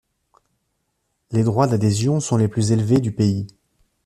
Les droits d’adhésion sont les plus élevés du pays.